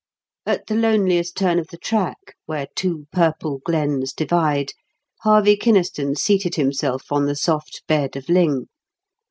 At the loneliest turn of the track, where two purple glens divide, Harvey Kynaston seated himself on the soft bed of ling.